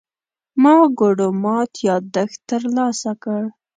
ما ګوډو مات يادښت ترلاسه کړ.